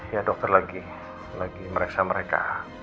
ya dokter lagi lagi meriksa mereka